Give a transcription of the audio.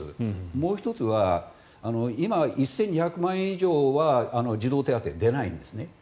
もう１つは今、１２００万円以上は児童手当が出ないんですね。